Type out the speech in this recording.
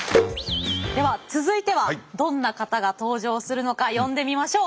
では続いてはどんな方が登場するのか呼んでみましょう。